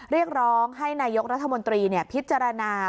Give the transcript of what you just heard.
เรียกร้องให้นายกรัฐมนตรีพิจารณา